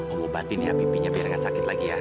om obatin ya pipinya biarkan sakit lagi ya